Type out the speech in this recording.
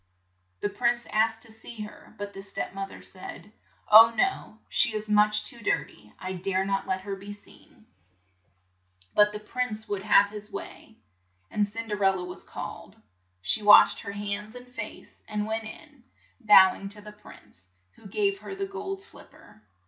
The prince asked to see her, but the step moth er said, "Oh, no! she is much too dir ty ; I dare hot let her be seen." THE LOST SLIPPER. V L CINDERELLA 105 But the prince would have his way, and Cin der el la was called. She washed her hands and face, and went in, bow ing to the prince, who gave her the gold slip per.